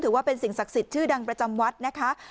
ถือว่าเป็นสิ่งศักดิ์ศิษย์ชื่อดังประจำวัฒน์นะครับ